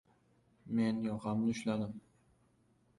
Men yoqamni ushladim.